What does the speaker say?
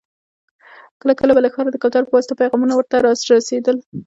کله کله به له ښاره د کوترو په واسطه پيغامونه ور ته را رسېدل.